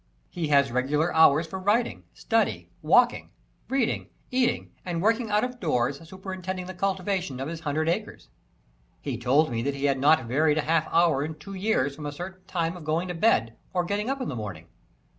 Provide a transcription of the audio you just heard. He has regular hours for writing, study, walking, reading, eating, and working out of doors, superintending the cultivation of his hundred acres. He told me that he had not varied a half hour in two years from a certain time of going to bed or getting up in the morning.